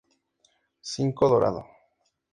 Cinto dorado.